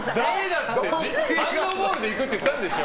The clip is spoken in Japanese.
ハンドボールでいくって言ったんでしょ。